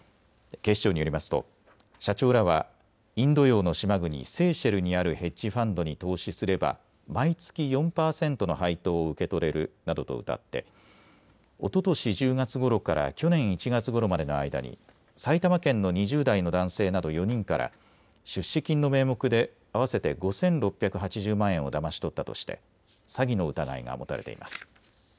警視庁によりますと社長らはインド洋の島国セーシェルにあるヘッジファンドに投資すれば毎月４％の配当を受け取れるなどとうたっておととし１０月ごろから去年１月ごろまでの間に埼玉県の２０代の男性など４人から出資金の名目で合わせて５６８０万円をだまし取ったとして詐欺の疑いが持たれています。